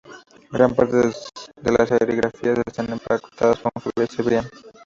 Gran parte de las serigrafías están estampadas por Javier Cebrián.